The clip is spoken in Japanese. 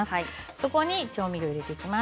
そこに調味料を入れていきます。